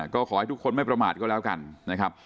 ก็ขอให้ทุกคนไม่ประมาทก็แล้วกันนะครับ